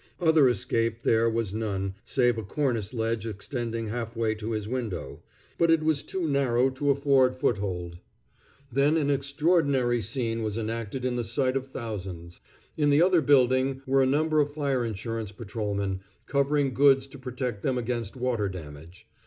Other escape there was none, save a cornice ledge extending half way to his window; but it was too narrow to afford foothold. Then an extraordinary scene was enacted in the sight of thousands. In the other building were a number of fire insurance patrolmen, covering goods to protect them against water damage.